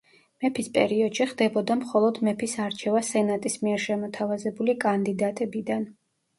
მეფის პერიოდში ხდებოდა მხოლოდ მეფის არჩევა სენატის მიერ შემოთავაზებული კანდიდატებიდან.